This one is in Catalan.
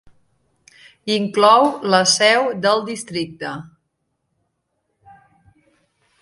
Inclou la seu del districte.